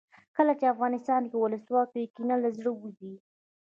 کله چې افغانستان کې ولسواکي وي کینه له زړه وځي.